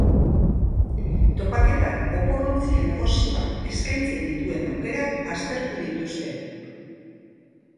Topaketan opor-ontzien negozioak eskaintzen dituen aukerak aztertu dituzte.